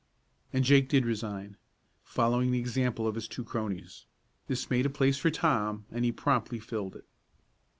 And Jake did resign, following the example of his two cronies. This made a place for Tom, and he promptly filled it.